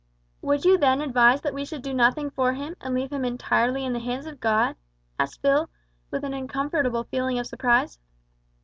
'" "Would you then advise that we should do nothing for him, and leave him entirely in the hands of God?" asked Phil, with an uncomfortable feeling of surprise.